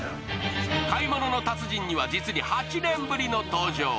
「買い物の達人」には実に８年ぶりの登場。